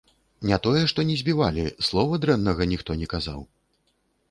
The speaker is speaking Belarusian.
Не тое, што не збівалі, слова дрэннага ніхто не казаў!